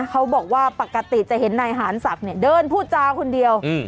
เขาบอกว่าปกติจะเห็นนายหานศักดิ์เนี่ยเดินพูดจาคนเดียว